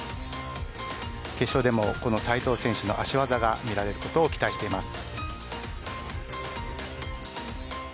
決勝でもこの斉藤選手の足技が見られることを期待しています。